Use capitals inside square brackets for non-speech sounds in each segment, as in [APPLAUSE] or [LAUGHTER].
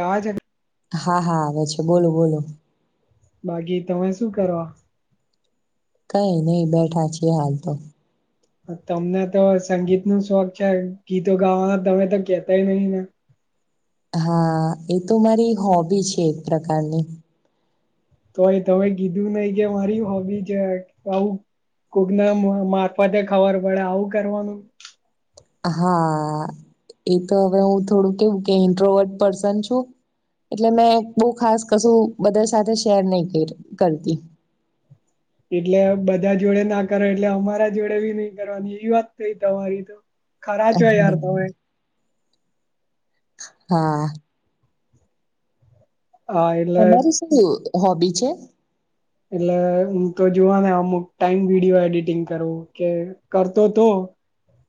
આવે છે હા હા આવે છે બોલો બોલો બાકી તમે શું કરવા કઈ નહી બેઠા છી હાલ તો તમને તો સંગીત નું શોખ છે ગીતો ગાવાનો તમે તો કેતાય નહી ને હા એ તો મારી હોબી છે એક પ્રકારની તોય તમે કીધું નહી કે મારી હોબી છે આવું કોક ના મારફતે ખબર પડે આવું કરવાનું હા એ તો હવે હું થોડું કેવું કે ઇન્ટ્રોવટ પર્સન છું એટલે મેં બહુ ખાસ કશું બધા સાથે શેર નહી કર કરતી એટલે બધા જોડે ના કરો એટલે અમારા જોડે બી નઈ કરવાની એવી વાત થઈ તમારી તો ખરા છો યાર તમે હા હા એટલે તમારી શું હોબી છે. એટલે હું તો જોવા ને અમુક ટાઈમ વિડીયો એડિટિંગ કરું કે કરતો તો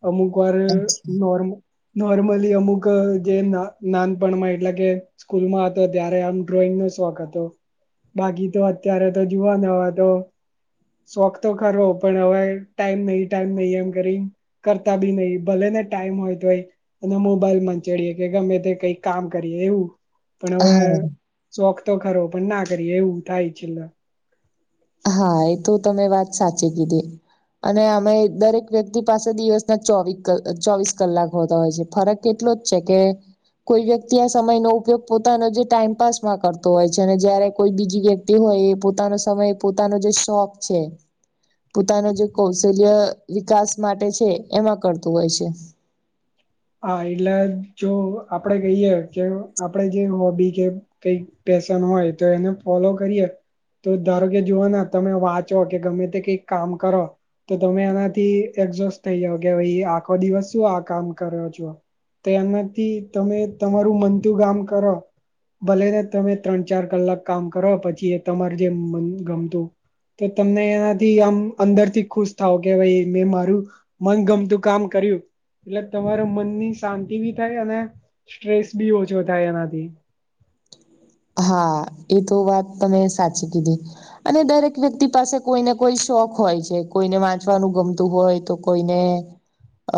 અમુક વાર અચ્છા નોર્મલ નોર્મલી અમુક જે નાન નાનપણમાં એટલે કે સ્કૂલમાં હતો ત્યારે આમ ડ્રોઈંગ નો શોખ હતો બાકી તો અત્યારે તો જુવો હવે તો શોખ તો ખરો પણ હવે ટાઈમ નહી ટાઈમ નહી એમ કરી કરતા બી નહી ભલે ને ટાઈમ હોય તો અને મોબાઈલ મચડીએ કે ગમે તે કઈક કામ કરીએ એવું પણ હવે હા શોખ તો ખરો પણ ના કરીએ એવું થાય છેલ હા એ તો તમે વાત સાચી કીધી અને અમે દરેક વ્યક્તિ પાસે દિવસના ચોવી કલા ચોવીસ કલાક હોતા હોય છે ફરક કેટલો જ છે કે કોઈ વ્યક્તિ આ સમય નો ઉપયોગ પોતાનો જે ટાઈમપાસ માં કરતો હોય છે અને જયારે કોઈ બીજી વ્યક્તિ હોય એ પોતાનો સમય પોતાનો જે શોખ છે પોતાનો જે કૌશલ્ય વિકાસ માટે છે એમાં કરતું હોય છે હા એટલે જો આપડે કહીએ કે આપણેે જે હોબી કે કઈ પેશન હોય તો એને ફોલો કરીએ તો ધારો કે જુઓ ને તમે વાંચો કે ગમે તે કઈ કામ કરો તો તમે એનાથી એક્જોસ્ટ થઇ જાઓ કે ભાઈ આખો દિવસ શું આ કામ કર્યો છો તો એનાથી તમે તમારું મનતું કામ કરો ભલેને તમે ત્રણ ચાર કલાક કામ કરો પછી તમાર જે મનગમતું તો તમને એનાથી આમ અંદર થી ખુશ થાવ કે ભાઈ મેં મારું મનગમતું કામ કર્યું એટલે તમારા મનની શાંતિ બી થાય અને સ્ટ્રેસ બી ઓછો થાય એનાથી હા એ તો વાત તમે સાચી કીધી અને દરેક વ્યક્તિ પાસે કોઈને કોઈ શોખ હોય છે કોઈને વાંચવાનું ગમતું હોય તો કોઈને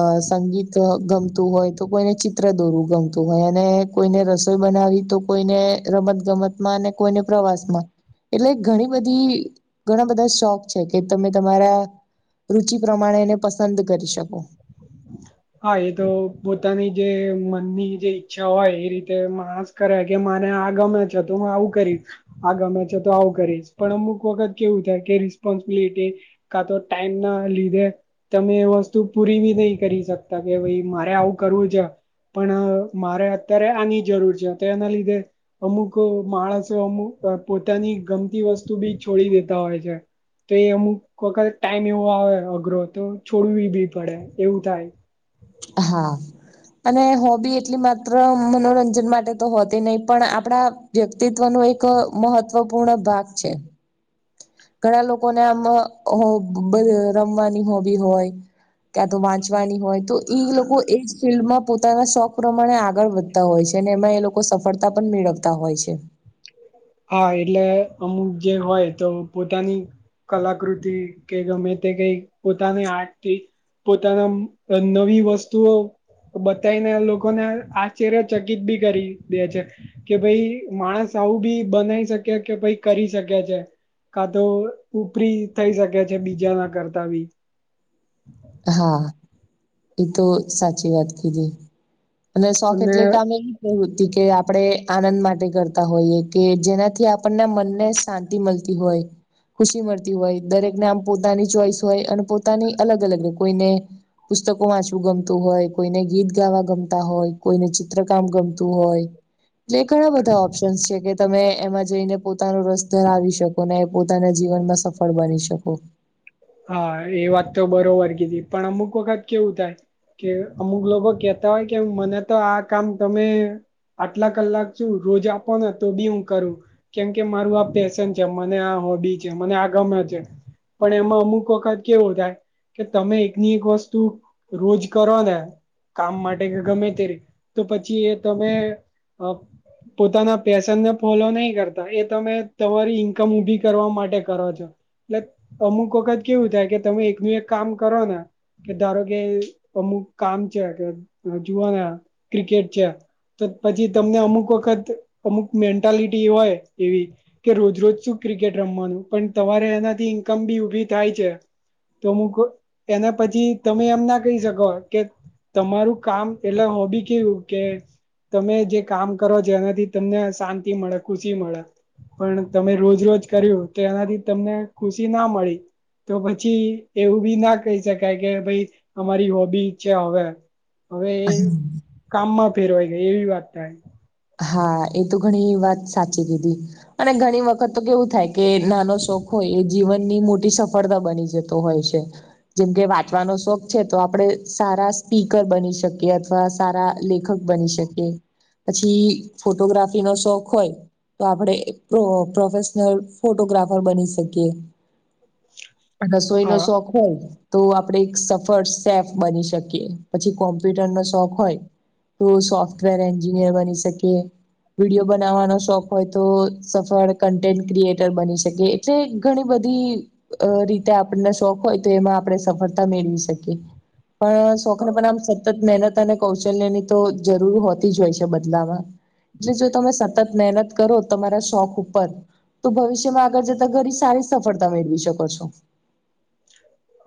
અ સંગીત ગમતું હોય તો કોઈને ચિત્ર દોરવું ગમતું હોય અને કોઈને રસોઈ બનાવી તો કોઈને રમત ગમતમાં અને કોઈને પ્રવાસ મા એટલે ઘણી બધી ઘણા બધા શોખ છે, કે તમે તમારા રુચિ પ્રમાણે એને પસંદ કરી શકો [INAUDIBLE] હા એ તો પોતાની જે મનની જે ઈચ્છા હોય એ રીતે માણસ કરે કે મારે આ ગમે છે, તુ હુ આવું કરી આ ગમે છે તો આવું કરીશ પણ અમુક વખત કેવું થાય કે રિસ્પોન્સિબિલિટી કા તો ટાઈમ ના લીધે તમે એ વસ્તુ પૂરી વી નઈ કરી શકતા કે ભાઈ મારે આવું કરવું છે. પણ મારે અત્યારે આની જરૂર છે, તો એના લીધે અમુક માણસો અમુક પોતાની ગમતી વસ્તુ બી છોડી દેતા હોય છે. તો એ અમુક વખત ટાઈમ એવો આવે અઘરો તો છોડવી, બી પડે એવું થાય. હા અને હોબી એટલી માત્ર મનોરંજન માટે તો હોતી નહી, પણ આપણા વ્યક્તિત્વ નો એક મહત્વપૂર્ણ ભાગ છે. ઘણા લોકોને આમ હોબ રમવાની હોબી હોય. ત્યાં તો વાંચવાની હોય તો ઈ લોકો એ ફિલ્ડમાં પોતાના શોખ પ્રમાણે આગળ વધતા હોય છે અને એમાં એ લોકો સફળતા પણ મેળવતા હોય છે. હા એટલે અમુક જે હોય, તો પોતાની કલાકૃતિ કે ગમે તે કઈ પોતાની આર્ટથી પોતાના નવી વસ્તુઓ બતાવીને લોકોને આશ્ચર્યચકિત બી કરી દે છે. કે ભાઈ માણસ આવું બી બનાવી શકે કે ભાઈ કરી શકે છે. કા તો ઉપરી થઈ શકે છે, બીજા ના કરતા બી હા હા, એ તો સાચી વાત કીધી અને શોખ એટલી કમે પ્રવૃતિ કે આપણે આનંદ માટે કરતા હોઈએ કે જેનાથી આપણના મનને શાં તી મળતી હોય. ખુશી મળતી હોય દરેકને આમ પોતાની ચોઈસ હોય અને પોતાની અલગ અલગ કોઈને પુસ્તકો વાંચવું ગમતું હોય કોઈને ગીત ગાવા ગમતા હોય, કોઈને ચિત્રકામ ગમતું હોય. એ ઘણા બધા ઓપ્શન્સ છે, કે તમે એમાં જઈને પોતાનો રસ ધરાવી શકો ને પોતાના જીવનમાં સફળ બની શકો હા એ વાત તો બરોબર કીધી પણ અમુક વખત કેવું થાય. કે અમુક લોકો કેતા હોય કે મને તો આ કામ તમે આટલા કલાક શુ રોજ આપો ને તો બી હુ કરુ કેમકે મારું આ પેશન છે મને આ હોબી છે મને આ ગમે છે, પણ એમ અમુક વખત કેવો થાય, કે તમે એકની એક વસ્તુ રોજ કરો ને કામ માટે કે ગમે તૈયાર તો પછી એ તમે પોતાના પેશનને ફોલો નહી કરતા એ તમે તમારી ઈન્કમ ઉભી કરવા માટે કરો છો. એટલે અમુક વખત કેવું થાય કે તમે એકનું એક કામ કરો ને કે ધારો કે અમુક કામ છે, કે જોવાના ક્રિકેટ છે. તો પછી તમને અમુક વખત અમુક મેન્ટાલિટી હોય એવી કે રોજ રોજ શું ક્રિકેટ રમવાનુ પણ તમારે એનાથી ઇન્કમ બી ઉભી થાય છે. તો હું એના પછી તમે એમ ના કહી શકો કે તમારું કામ એટલે હોબી કેવુ કે તમે જે કામ કરો જેનાથી તમને શાંતિ મળે ખુશી મળે પણ તમે રોજ રોજ કર્યુ તો એનાથી તમને ખુશી ના મળી તો પછી એવું બી ના કહી શકાય કે ભાઈ અમારી હોબી છે, હવે હવે એ કામમાં ફેરવાઈ ગાય, એવી વાત થાય. હા એ તો ઘણી વાત સાચી કીધી અને ઘણી વખત તો કેવું થાય કે નાનો શોખ હોય એ જીવનની મોટી સફળતા બની જતો હોય છે જેમકે વાંચવાનો શોખ છે તો આપડે સારા સ્પીકર બની શકીએ અથવા સારા લેખ ખક બની શકે પછી ફોટોગ્રાફી નો શોખ હોય તો આપણે પ્રોફેશનલ ફોટોગ્રાફર બની શકીએ રસોઈ નો હા શોખ હોય તો આપણેે એક સફળ શેફ બની શકીએ પછી કોમ્પ્યુટર નો શોખ હોય તો સોફ્ટવેર એન્જિનિયર બની શકીએ વિડીયો બનાવવાનો શોખ હોય તો સફળ કોન્ટેન્ટ ક્રિએટર બની શકિએ જે ઘણી બધી અ રીતે આપણને શોખ હોય તો એમાં આપણે સફળતા મેળવી શકીએ પણ શોખને પણ આમ સતત મહેનત અને કૌશલ્યની તો જરૂર હોતી જ હોય છે બદલામાં એટલે જો તમે સતત મહેનત કરો તમારા શોખ ઉપર તો ભવિષ્યમાં આગળ જતા ઘની સારી સફળતા મેળવી શકો છો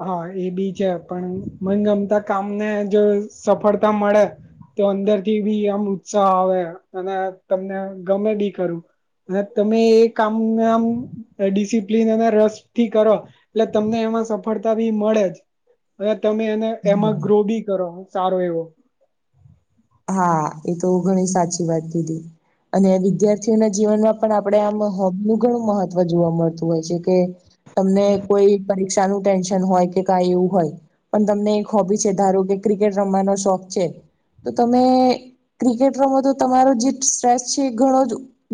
હા એ બી છે પણ ગમતા કામને જો સફળતા મળે તો અંદર થી બી આમ ઉત્સાહ આવે અને તમને ગમે બી ખરુ અને તમે એ કામ નામ ડિસિપ્લન અને રસ થી કરો એટલે તમને એમાં સફ ળતા બી મળે જ અને તમે એને એમાં ગ્રો બી કરો સારો એવો હા એ તો ઘણી સાચી વાત કીધી અને વિદ્યાર્થીઓના જીવનમાં પણ આપણે આમ હોબનું ઘણું મહત્વ જોવા મળતું હોય છે કે તમને કોઈ પરીક્ષા નું ટેન્શન હોય કે કાઈ એવું હોય પણ તમને એક હોબી છે ધારો કે ક્રિકેટ રમવાનો શોખ છે તો તમે ક્રિકેટ રમો તો તમારો જે સ્ટ્રેસ છે એ ઘણો જ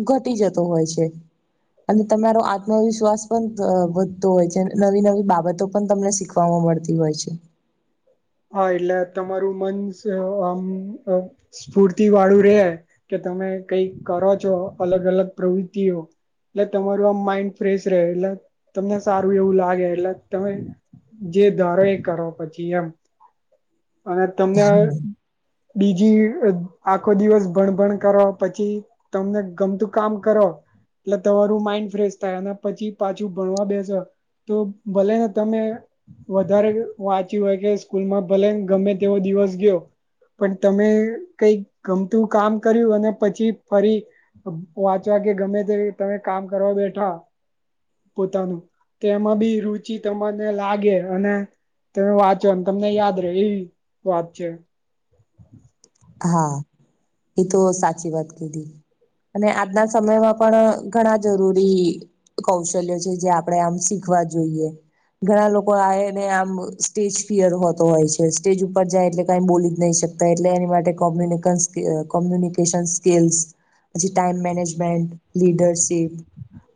ઘટી જતો હોય છે અને તમારો આત્મવિશ્વાસ પણ વધતો હોય છે નવી નવી બાબતો પણ તમને શીખ મળતી હોય છે હા એટલે તમારું મન આમ સ્ફૂર્તિ વાળું રહેે કે તમે કઈક કરો છો અલગ અલગ પ્રવૃતિઓ એટલે તમારું આમ માઇન્ડ ફ્રેશ રહે એટલે તમને સારું એવું લાગે એટલે તમે જે ધારો એ કરો પછી એમ અને તમને બીજી આખો દિવસ ભણભણ કરવા પછી તમને ગમતું કામ કરો એટલે તમારું માઈન્ડ ફ્રેશ થાય અને પછી પાછું ભણવા બેસે તો ભલેને તમે વધારે વાંચ્યુ હોય કે સ્કૂલમાં ભલે ગમે તેવો દિવસ ગયો પણ તમે કઈક ગમતું કામ કર્યું અને પછી ફરી વાંચવા કેે ગમે તે તમે કામ કરવા બેઠા પોતાનું તેમાં બી રુચિ તમને લાગે અને તમે વાંચવાનું તમને યાદ રહે એવી વાત છે હા એ તો સાચી વાત કીધી અને આજના સમયમાં પણ ઘણા જરૂરી કૌશલ્ય છે જે આપણે આમ શીખવા જોઈએ ઘણા લોકો આવેને આમ સ્ટેજ ફિયર હોતો હોય છે સ્ટેજ ઉપર જાય એટલે કઈ બોલી જ નહી શક એટલે એની માટે કોમ્યુનિકેશન સ્કીલ્સ પછી ટાઈમ મેનેજમેન્ટ લીડરશીપ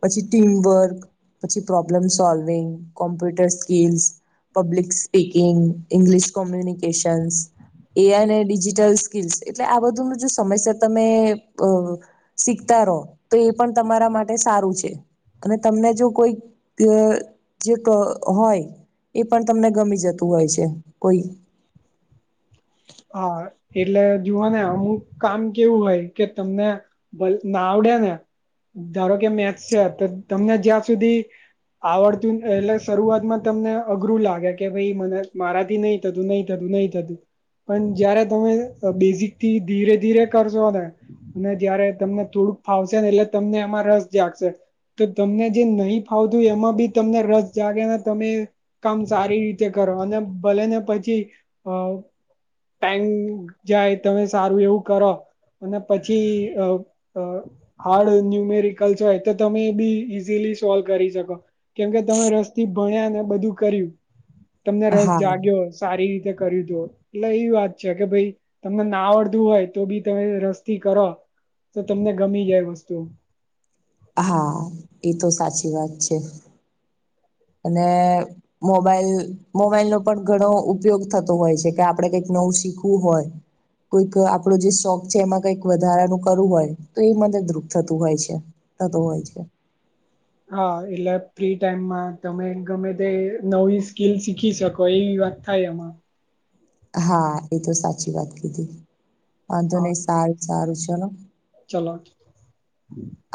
પછી ટીમવર્ક પછી problem solving computer skills public speaking English communications A I digital skills એટલે આ બધું ન જો સમયસર તમે શીખતા રહો તો એ પણ તમારા માટે સારું છે અને તમને જો કોઈ જે હોય એ પણ તમને ગમી જતું હોય છે કોઈ હા એટલે જુવા ને અમુક કામ કેવું હોય કે તમને ના આવડે ને ધારો કે મેચ છે તો તમને જ્યાં સુધી આવડતું એટલે શરૂઆતમાં તમને અઘરું લાગે કે ભાઈ મને મારાથી નહી નઈ થતુ નઈ થતુ પણ જયારે તમે બેઝિકથી ધીરે ધીરે કરશો ને? અને જયારે તમને થોડુંક ફાવશે ને એટલે તમને એમાં રસ જાગશે. તો તમને જે નહીં ફાવતું એમાં બી તમને રસ જાગેને તમે- - કામ સારી રીતે કરો અને ભલે ને પછી અ- - ટાઈ જાય તમે સારું એવું કરો અને પછી- - હાર્ડ ન્યુમેરિકલ્સ હોય તો તમે એ બી ઈઝીલી સોલ્વ કરી શકો. કેમકે તમે રસ્થી ભણ્યા ને બધું કર્યું? તમને રસ હા જાગ્યો સારી રીતે કર્યું હતું. એટલે એવી વાત છે કે ભાઈ તમને ના આવડતું હોય તો બી તમે રસથી કરો. તો તમને ગમી જાય વસ્તુ- - હા એ તો સાચી વાત છે. અને- - મોબાઈલ મોબાઈલ નો પણ ઘણો ઉપયોગ થતો હોય છે કે આપણે કંઈક નવું શીખવું હોય- - કોઈક આપણો જે શોખ છે એમાં કઈક વધારાનું કરવું હોય તો એ મ દુઃખ થતું હોય છે. થતો હોય છે. હા એટલે ફ્રી ટાઈમમાં તમે ગમે તે નવી સ્કીલ શીખી શકો એવી વાત- - થાય એમાં- - હા એ તો સાચી વાત કીધી વાંધો હા નહી સારું સારું ચલો- - ચલો અ- -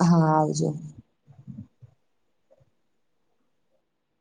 હા આવજો- -